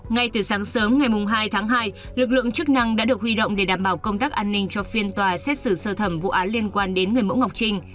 ngay từ sáng sớm ngày hai tháng hai lực lượng chức năng đã được huy động để đảm bảo công tác an ninh cho phiên tòa xét xử sơ thẩm vụ án liên quan đến người mẫu ngọc trinh